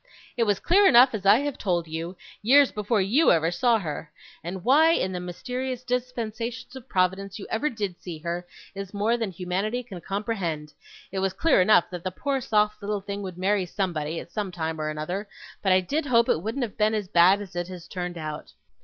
'It was clear enough, as I have told you, years before YOU ever saw her and why, in the mysterious dispensations of Providence, you ever did see her, is more than humanity can comprehend it was clear enough that the poor soft little thing would marry somebody, at some time or other; but I did hope it wouldn't have been as bad as it has turned out.